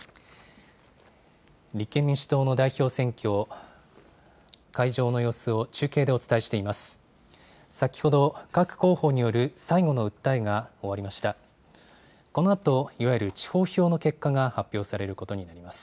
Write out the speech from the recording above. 立憲民主党の代表選挙、会場の様子を中継でお伝えしています。